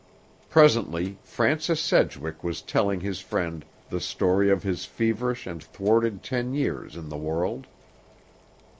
Presently Francis Sedgwick was telling his friend the story of his feverish and thwarted ten years in the world.